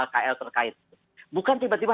kl terkait bukan tiba tiba